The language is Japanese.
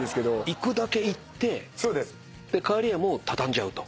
行くだけ行って帰りにはもう畳んじゃうと。